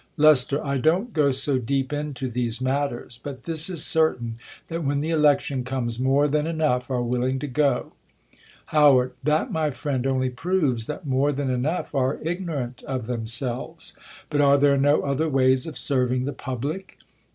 Lest. I don't go so deep into these matters : but this is certain, that when the election comes, more than enough are willing to go* How. That, my friend, only proves that more thai) enough are ignorant of themselves : but are tliere no other ways of serving the public